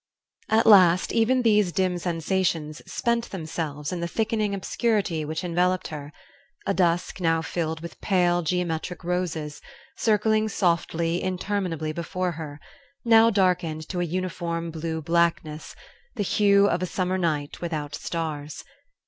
At last even these dim sensations spent themselves in the thickening obscurity which enveloped her; a dusk now filled with pale geometric roses, circling softly, interminably before her, now darkened to a uniform blue blackness, the hue of a summer night without stars.